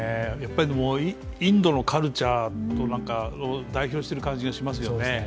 インドのカルチャーを代表している感じがありますよね。